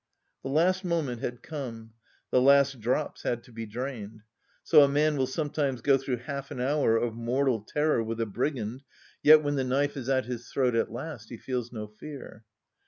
The last moment had come, the last drops had to be drained! So a man will sometimes go through half an hour of mortal terror with a brigand, yet when the knife is at his throat at last, he feels no fear.